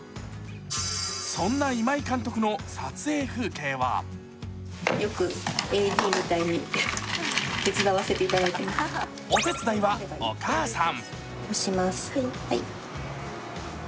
そんな今井監督の撮影風景はお手伝いはお母さん。